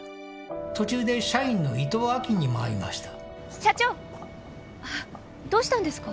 途中で社員の伊藤亜紀にも会いました社長どうしたんですか？